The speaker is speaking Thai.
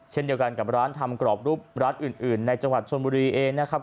เช่นเดียวกันกับร้านทำกรอบรูปร้านอื่นในจังหวัดชนบุรีเองนะครับ